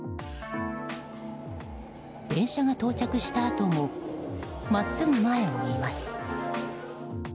電車が到着したあとも真っすぐ前を見ます。